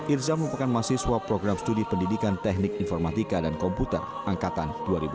irza merupakan mahasiswa program studi pendidikan teknik informatika dan komputer angkatan dua ribu dua puluh